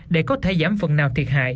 để có thể giảm phần nào thiệt hại